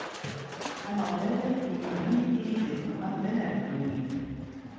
Ameɣlal indem imi i d-ixleq amdan ɣer ddunit.